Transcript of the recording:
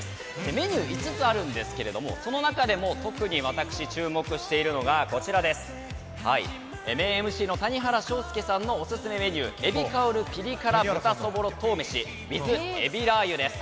メニューが５つありますがその中でも特に私が注目しているのがメインＭＣの谷原章介のオススメメニュー海老香るピリ辛豚そぼろとうめしｗｉｔｈ海老ラー油です。